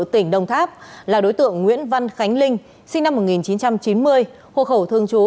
tỉnh đồng tháp là đối tượng nguyễn văn khánh linh sinh năm một nghìn chín trăm chín mươi hộ khẩu thương chú